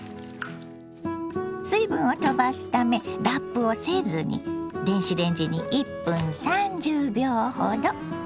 水分をとばすためラップをせずに電子レンジに１分３０秒ほど。